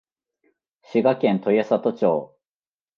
滋賀県豊郷町